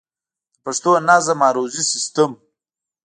د پښتو نظم عروضي سيسټم